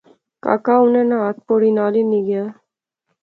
کاکا اُںاں نا ہتھ پوڑی نال ہنی غیا